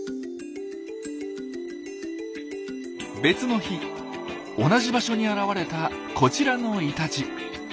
別の日同じ場所に現れたこちらのイタチ。